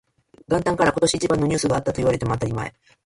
元旦から今年一番のニュースがあったと言われても当たり前